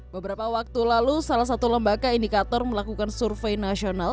beberapa waktu lalu salah satu lembaga indikator melakukan survei nasional